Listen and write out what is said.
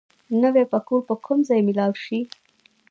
نوی پکول به کوم ځای مېلاو شي؟